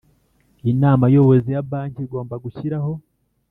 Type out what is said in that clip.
Inama y Ubuyobozi ya Banki igomba gushyiraho